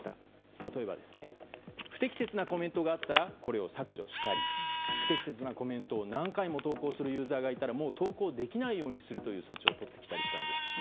例えば不適切なコメントがあったらこれを削除したり不適切なコメントを何回もコメントするユーザーがいたらもう投稿できないようにするという措置をとってきたんです。